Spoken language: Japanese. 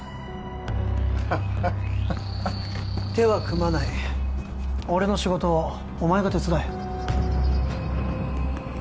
手は組まない俺の仕事をお前が手伝え